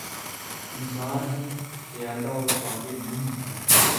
انسان ہوں‘ پیالہ و ساغر نہیں ہوں میں!